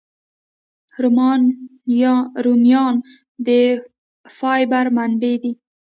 رومیان د فایبر منبع دي